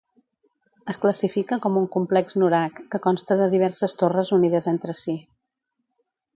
Es classifica com un complex nurag, que consta de diverses torres unides entre si.